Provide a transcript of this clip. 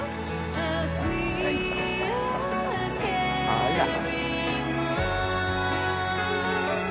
あら。